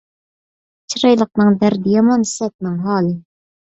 چىرايلىقنىڭ دەردى يامان، سەتنىڭ ھالى